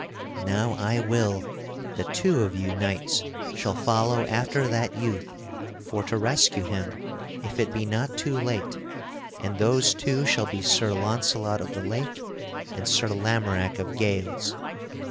Now I will that two of you knights shall follow after that youth for to rescue him if it be not too late; and those two shall be Sir Launcelot of the Lake and Sir Lamorack of Gales.